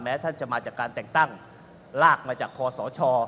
ท่านจะมาจากการแต่งตั้งลากมาจากคอสช